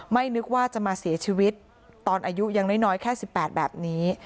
นึกว่าจะมาเสียชีวิตตอนอายุยังน้อยแค่๑๘แบบนี้